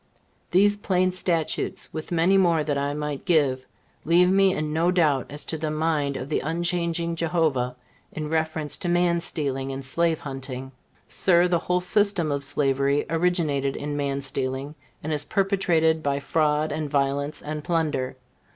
These plain statutes, with many more that I might give, leave me in no doubt as to the mind of the unchanging Jehovah, in reference to man stealing and slave hunting. Sir, the whole system of slavery originated in man stealing, and is perpetuated by fraud and violence and plunder.